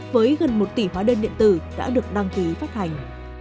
với gần một tỷ hóa đơn điện tử đã được đăng ký phát hành